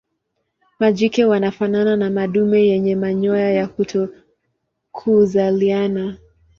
Majike wanafanana na madume yenye manyoya ya kutokuzaliana.